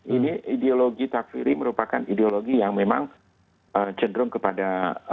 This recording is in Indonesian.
ini ideologi takfiri merupakan ideologi yang memang cenderung kepada